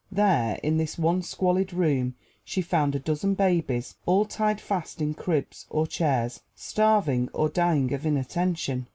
There, in this one squalid room, she found a dozen babies, all tied fast in cribs or chairs, starving, or dying of inattention.